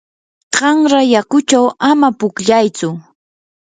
qanra yakuchaw ama pukllaytsu.